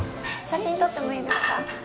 写真撮ってもいいですか。